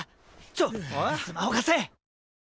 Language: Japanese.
ちょっスマホ貸せ。